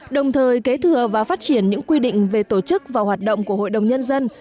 đồng thời kế thừa và phát triển những quy định về tổ chức và hoạt động của hội đồng nhân dân